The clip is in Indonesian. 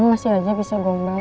kamu masih aja bisa bongkok